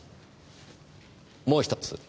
もう一つ。